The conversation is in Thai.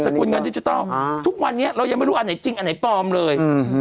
กุลเงินดิจิทัลทุกวันนี้เรายังไม่รู้อันไหนจริงอันไหนปลอมเลย